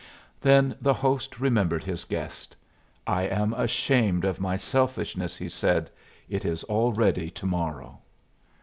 Then the host remembered his guest. "I am ashamed of my selfishness," he said. "It is already to morrow."